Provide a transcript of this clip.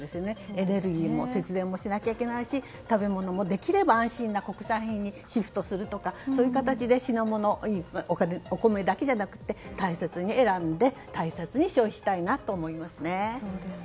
エネルギーも節電もしなきゃいけないし食べ物もできれば安全な国産品にシフトするとかそういう形で品物お米だけじゃなくて大切に選んで大切に消費したいと思います。